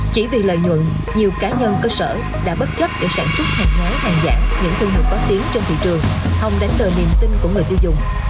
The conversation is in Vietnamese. chỉ vì lợi nhuận nhiều cá nhân cơ sở đã bất chấp để sản xuất hàng hóa hàng giả những thương hiệu có tiếng trên thị trường hòng đánh đời niềm tin của người tiêu dùng